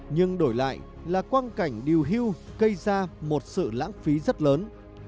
nhưng đổi lại là quan cảnh điều hưu gây ra một sự lãng phí rất lớn